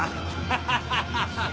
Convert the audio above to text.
ハハハハ！